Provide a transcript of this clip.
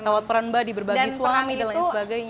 tawar peran mbak diberbagi suami dan lain sebagainya